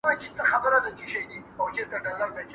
¬ له خالي توپکه دوه کسه بېرېږي.